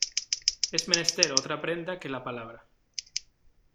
es menester otra prenda que la palabra.